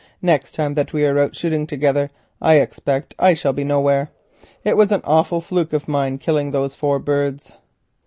Next time that we are out shooting together I expect I shall be nowhere. It was an awful fluke of mine killing those four birds."